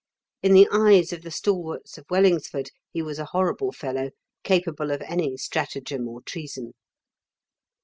In the eyes of the stalwarts of Wellingsford, he was a horrible fellow, capable of any stratagem or treason.